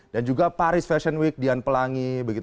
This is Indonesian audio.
dan juga paris fashion week dian pelangi